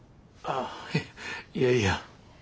あいやいや。